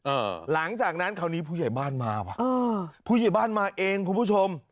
หลังจากนั้นคราวนี้ผู้ใหญ่บ้านมาว่ะเออผู้ใหญ่บ้านมาเองคุณผู้ชม